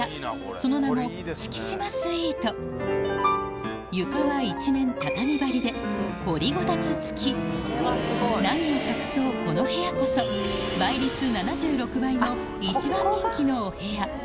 その名も床は一面畳張りで掘りごたつ付き何を隠そうこの部屋こそ一番人気のお部屋